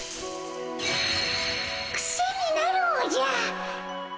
クセになるおじゃ。